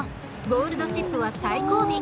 ゴールドシップは最後尾。